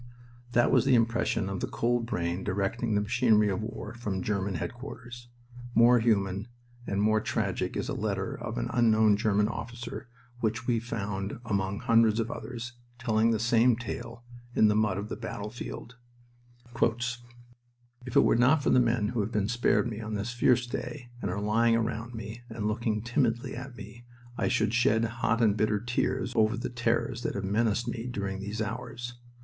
That was the impression of the cold brain directing the machinery of war from German headquarters. More human and more tragic is a letter of an unknown German officer which we found among hundreds of others, telling the same tale, in the mud of the battlefield: "If it were not for the men who have been spared me on this fierce day and are lying around me, and looking timidly at me, I should shed hot and bitter tears over the terrors that have menaced me during these hours.